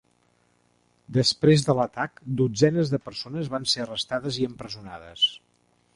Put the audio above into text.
Després de l'atac, dotzenes de persones van ser arrestades i empresonades.